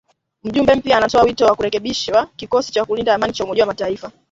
Mjumbe mpya anatoa wito wa kurekebishwa kikosi cha kulinda amani cha umoja wa mataifa